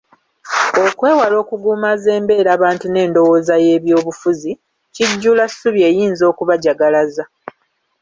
Okwewala okuguumaaza embeerabantu n’endowooza y’ebyobufuzi, kijjulassuubi eyinza okubajagalaza.